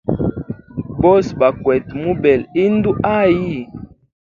Bose bakwete mubela indu hayi.